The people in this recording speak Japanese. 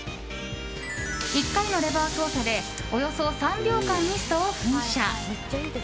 １回のレバー操作でおよそ３秒間、ミストを噴射。